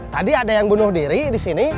tadi ada yang bunuh diri disini